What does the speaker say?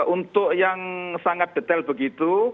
untuk yang sangat detail begitu